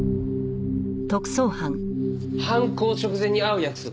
犯行直前に会う約束。